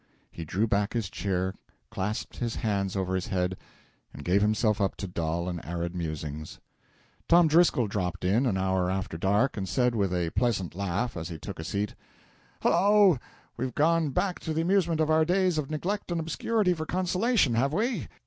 He drew back his chair, clasped his hands over his head, and gave himself up to dull and arid musings. Tom Driscoll dropped in, an hour after dark, and said with a pleasant laugh as he took a seat "Hello, we've gone back to the amusements of our days of neglect and obscurity for consolation, have we?"